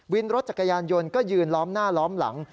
วินรถจักรยานยนต์ก็ยืนล้อมหน้าล้อมหลัง